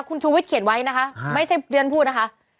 คุณชูวิทยเขียนไว้นะคะไม่ใช่เรียนพูดนะคะ